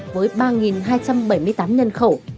với ba hai trăm bảy mươi tám nhân khẩu